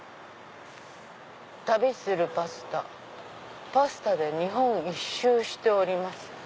「旅するパスタパスタで日本一周しております」。